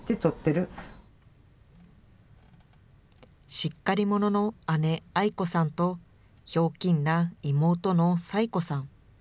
しっかり者の姉、愛子さんと、ひょうきんな妹の彩子さん。